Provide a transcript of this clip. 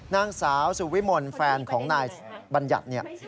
นางสาวสุวิมลแฟนของนายบัญญัติเนี่ย